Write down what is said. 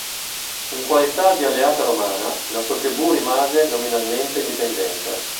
In qualità di alleata romana, la sua tribù rimase nominalmente indipendente.